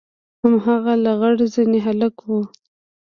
هماغه لغړ زنى هلک و.